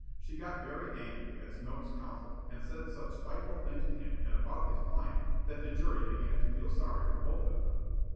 She got very angry at Smilk's counsel and said such spiteful things to him and about his client that the jury began to feel sorry for both of them.